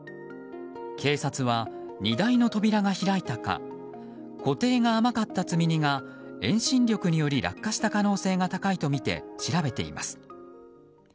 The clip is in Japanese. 警察は荷台の扉が開いたか固定が甘かったか積み荷が遠心力により落下した可能性が高いとみて、調べています。